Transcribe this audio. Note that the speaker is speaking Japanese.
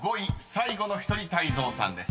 最後の１人泰造さんです］